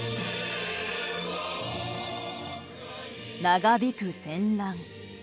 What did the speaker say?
長引く戦乱。